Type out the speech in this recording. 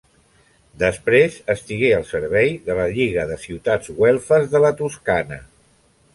Després estigué al servei de la lliga de ciutats güelfes de la Toscana.